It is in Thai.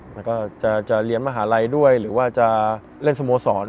แล้วก็จะเรียนมหาลัยด้วยหรือว่าจะเล่นสโมสร